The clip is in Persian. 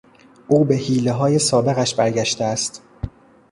او به حیلههای سابقش برگشته است.